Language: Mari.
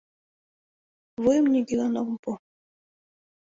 Вуйым нигӧлан ом пу: